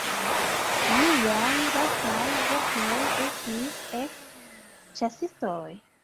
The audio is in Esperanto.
Liaj lastaj vortoj estis: "Ek, ĉasistoj!